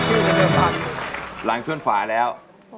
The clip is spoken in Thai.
ขอเข้าที่นี่ครับหลังช่วงฝ่าแล้ว